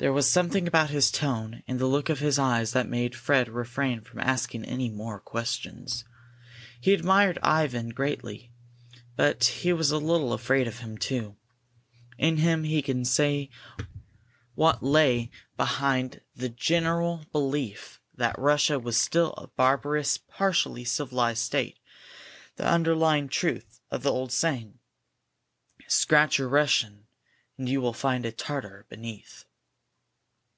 There was something about his tone and the look in his eyes that made Fred refrain from asking any more questions. He admired Ivan greatly, but he was a little afraid of him, too. In him he could see what lay behind the general belief that Russia was still a barbarous, partially civilized state, the underlying truth of the old saying: "Scratch a Russian, and you will find a Tartar beneath."